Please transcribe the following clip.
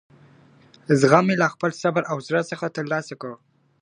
زغم مې له خپل صبر او زړه څخه ترلاسه کړ.